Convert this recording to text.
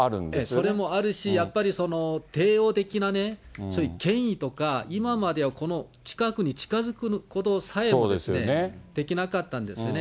それもあるし、やっぱり、帝王的なね、そういう権威とか、今までは、この近くに近づくことさえもできなかったんですね。